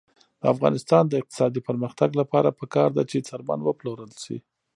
د افغانستان د اقتصادي پرمختګ لپاره پکار ده چې څرمن وپلورل شي.